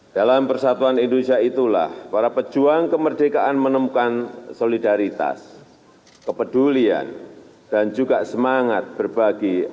dalam persatuan indonesia itulah para pejuang kemerdekaan menemukan solidaritas kepedulian dan juga semangat berbagi